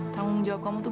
tanggung jawab kamu tuh